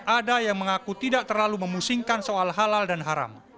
ada yang mengaku tidak terlalu memusingkan soal halal dan haram